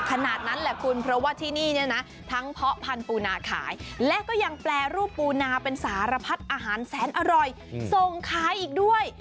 ขนาดนั้นแหละคุณเพราะว่าที่นี่เนี่ยนะทั้งเพาะพันธุนาขายและก็ยังแปรรูปปูนาเป็นสารพัดอาหารแสนอร่อยส่งขายอีกด้วย